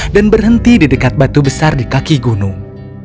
dan berhenti di dekat batu besar di kaki gunung